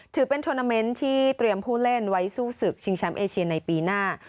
ถือเป็นทวนาเมนต์ที่เตรียมผู้เล่นไว้สู้ศึกชิงแชมป์เอเชียในปีหน้า